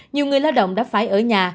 nhiều người lao động đã phải ở nhà